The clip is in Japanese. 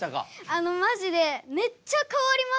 あのマジでめっちゃ変わりました。